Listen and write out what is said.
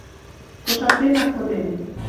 Кошартенак кодем.